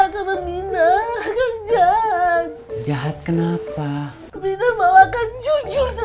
jahat jahat kenapa jujur jujur